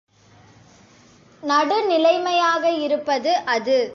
நடுநிலைமையாக இருப்பது அது.